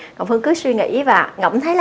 ngọc phương cứ suy nghĩ và ngẫm thấy là